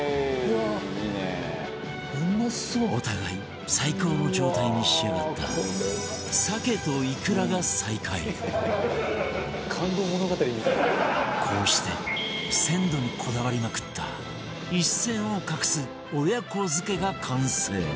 お互い最高の状態に仕上がったこうして鮮度にこだわりまくった一線を画す親子漬が完成